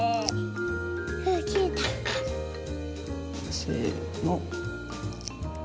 せの。